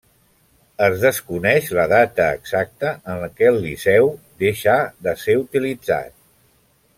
Es desconeix la data exacta en què el Liceu deixà de ser utilitzat.